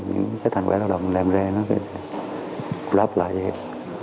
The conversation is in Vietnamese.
những cái thành quả lao động mình làm ra nó cũng đáp lại với em